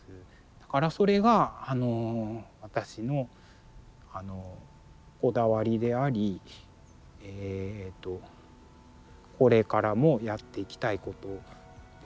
だからそれが私のこだわりでありこれからもやっていきたいことですね。